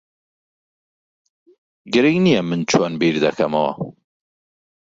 گرنگ نییە من چۆن بیر دەکەمەوە.